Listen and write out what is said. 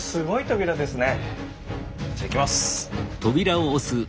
じゃあいきます！